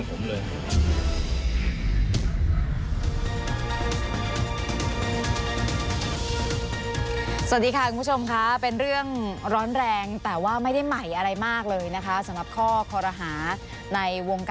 สนุนโดยน้ำดื่มสิง